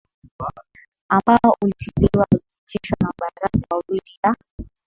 ambao ulitiliwa ulipitishwa na mabaraza mawili ya